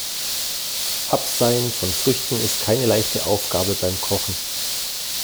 Abseien von Früchten ist keine leichte Aufgabe beim Kochen.